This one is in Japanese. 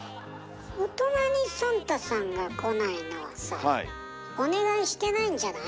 大人にサンタさんが来ないのはさお願いしてないんじゃない？